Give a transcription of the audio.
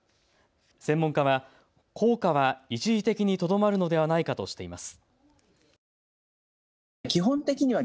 専門家は効果は一時的にとどまるのではないかとしています。